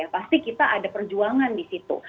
pasti kita ada perjuangan di situ